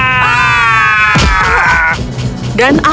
dan akhirnya pasangkan